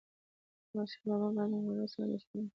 احمدشاه بابا به د ولس سره مشورې کولي.